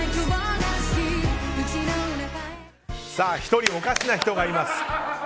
１人おかしな人がいます。